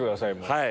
はい。